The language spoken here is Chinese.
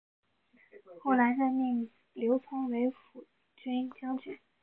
后来任命刘聪为抚军将军。